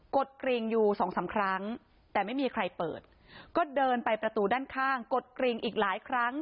กดกริ่งอยู่สองสามครั้งแต่ไม่มีใครเปิดก็เดินไปประตูด้านข้างกดกริงอีกหลายครั้ง